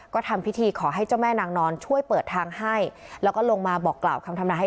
ก็ทำพิธีขอให้เจ้าแม่นางนอนช่วยเปิดทางให้